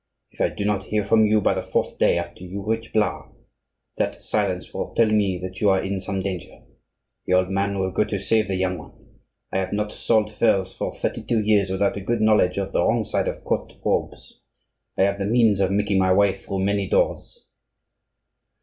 If I do not hear from you by the fourth day after you reach Blois, that silence will tell me that you are in some danger. The old man will go to save the young one. I have not sold furs for thirty two years without a good knowledge of the wrong side of court robes. I have the means of making my way through many doors."